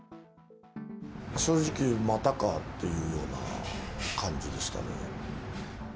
正直、またかというような感じでしたね。